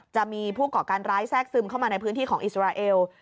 จะมีผู้ก่อการร้ายแทรกซึมเข้ามาในพื้นที่ของอิสราเอล